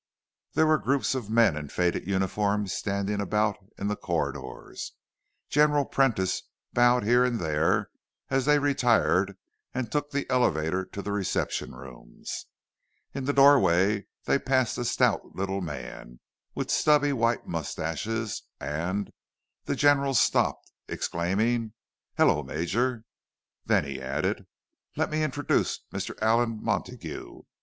There were groups of men in faded uniforms standing about in the corridors. General Prentice bowed here and there as they retired and took the elevator to the reception rooms. In the doorway they passed a stout little man with stubby white moustaches, and the General stopped, exclaiming, "Hello, Major!" Then he added: "Let me introduce Mr. Allan Montague.